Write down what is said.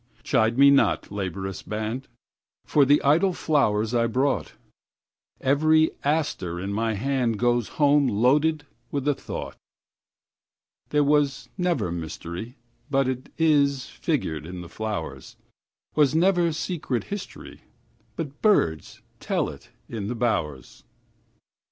Chide me not, laborious band, For the idle flowers I brought; Every aster in my handGoes home loaded with a thought. There was never mysteryBut 'tis figured in the flowers; SWas never secret historyBut birds tell it in the bowers.